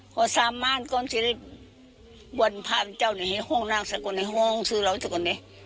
หัวสามม้านก็จะบ่นพระพันธ์เจ้าให้ห้องนั่งสักคนให้ห้องสื่อเหล่าสักคน